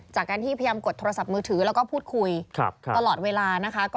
จากการที่พยายามกดโทรศัพท์มือถือแล้วก็พูดคุยตลอดเวลานะคะ